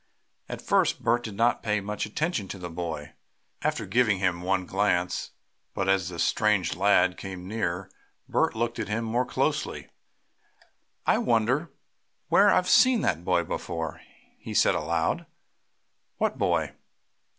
At first Bert did not pay much attention to the boy, after giving him one glance, but as the strange lad came nearer Bert looked at him more closely. "I wonder where I've seen that boy before?" he said aloud. "What boy?"